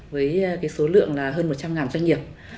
với số lượng là hơn một trăm linh doanh nghiệp